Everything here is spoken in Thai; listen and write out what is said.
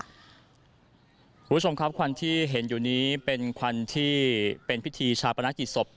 คุณผู้ชมครับควันที่เห็นอยู่นี้เป็นควันที่เป็นพิธีชาปนกิจศพ